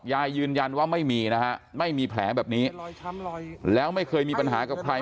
ยืนยันว่าไม่มีนะฮะไม่มีแผลแบบนี้แล้วไม่เคยมีปัญหากับใคร